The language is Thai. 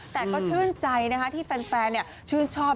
แต่ก็ชื่นใจนะคะที่แฟนชื่นชอบ